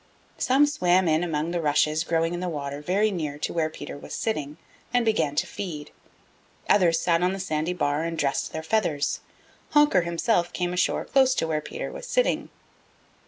Some swam in among the rushes growing in the water very near to where Peter was sitting and began to feed. Others sat on the sandy bar and dressed their feathers. Honker himself came ashore close to where Peter was sitting.